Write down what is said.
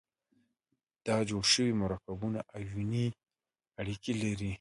دا جوړ شوي مرکبونه آیوني اړیکې لري.